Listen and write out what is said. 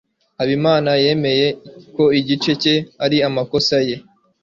habimana yemeye ko igice cye ari amakosa ye